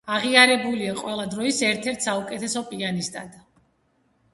აღიარებულია ყველა დროის ერთ-ერთ საუკეთესო პიანისტად.